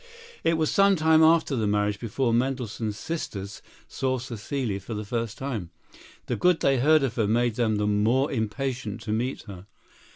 It was some time after the marriage before Mendelssohn's sisters saw Cécile for the first time. The good they heard of her made them the more impatient to meet her.